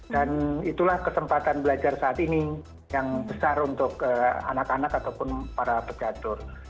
itulah kesempatan belajar saat ini yang besar untuk anak anak ataupun para pegatur